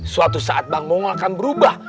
suatu saat bang mongol akan berubah